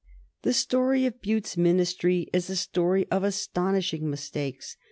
The story of Bute's Ministry is a story of astonishing mistakes.